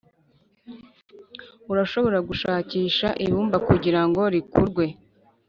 urashobora gushakisha ibumba kugirango rikurwe,